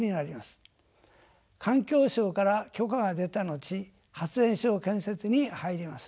環境省から許可が出た後発電所建設に入ります。